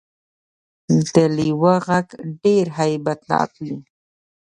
د لیوه غږ ډیر هیبت ناک وي